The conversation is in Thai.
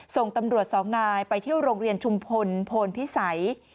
ส่งตำรวจสองนายไปเที่ยวโรงเรียนชุมพลโพนพิสัย